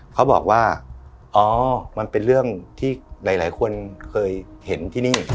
เขาบอกว่าอ๋อมันเป็นเรื่องที่หลายคนเคยเห็นที่นี่